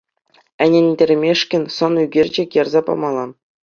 Ӗнентермешкӗн сӑн ӳкерчӗк ярса памалла.